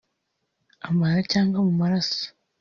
amara cyangwa mu maraso